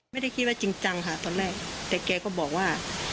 ไม่ได้คิดว่าจริงจังค่ะตอนแรกแต่แกก็บอกว่า